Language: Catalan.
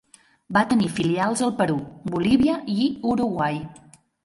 Va tenir filials al Perú, Bolívia i Uruguai.